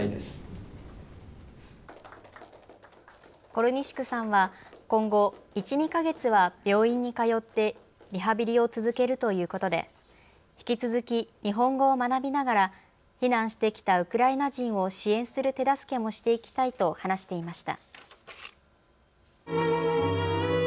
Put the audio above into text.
コルニシュクさんは今後、１、２か月は病院に通ってリハビリを続けるということで、引き続き日本語を学びながら避難してきたウクライナ人を支援する手助けもしていきたいと話していました。